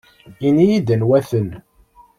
Ini-iyi-d anwa-ten.